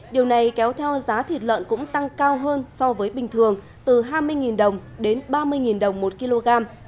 điều này kéo theo giá thịt lợn cũng tăng cao hơn so với bình thường từ hai mươi đồng đến ba mươi đồng một kg